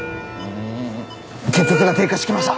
血圧が低下してきました。